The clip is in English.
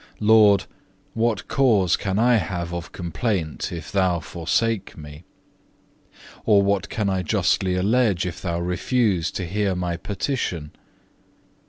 Lord, what cause can I have of complaint, if Thou forsake me? Or what can I justly allege, if Thou refuse to hear my petition?